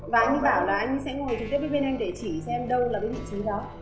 và anh ấy bảo là anh ấy sẽ ngồi trực tiếp với bên em để chỉ xem đâu là vị trí đó